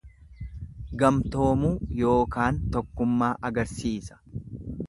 Gamtoomuu yookaan tokkummaa agarsiisa.